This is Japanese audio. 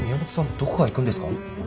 どこかへ行くんですか？